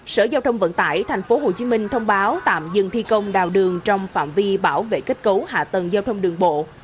sở giao thông vận tải tp hcm thông báo tạm dừng thi công đào đường trong phạm vi bảo vệ kết cấu hạ tầng giao thông đường bộ